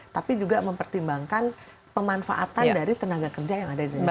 tapi juga mempertimbangkan pemanfaatan dari tenaga kerja yang ada di indonesia